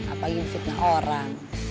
apalagi fitnah orang